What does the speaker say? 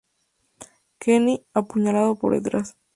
Kenny: Apuñalado por detrás.